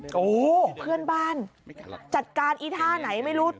เพื่อนบ้านจัดการอีท่าไหนไม่รู้